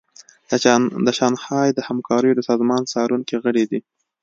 د شانګهای د همکاریو د سازمان څارونکی غړی دی